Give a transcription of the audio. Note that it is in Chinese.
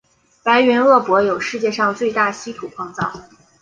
白云鄂博有世界上最大稀土矿藏。